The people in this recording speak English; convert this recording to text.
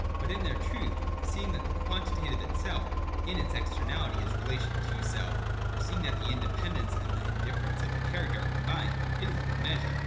But in their truth, seeing that the quantitative itself in its externality is relation to self, or seeing that the independence and the indifference of the character are combined, it is Measure.